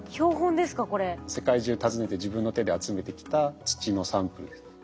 世界中訪ねて自分の手で集めてきた土のサンプルです。